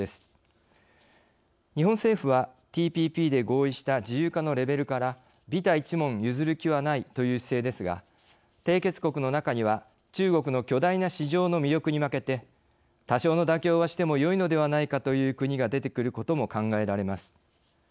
日本政府はＴＰＰで合意した自由化のレベルからびた一文ゆずる気はないという姿勢ですが締結国の中には中国の巨大な市場の魅力に負けて多少の妥協はしてもよいのではないかという国が出てくることも考えられます。